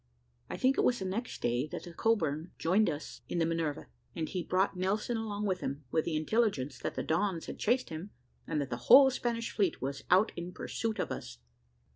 I think it was the next day that Cockburn joined us in the Minerve, and he brought Nelson along with him, with the intelligence that the Dons had chased him, and that the whole Spanish fleet was out in pursuit of us.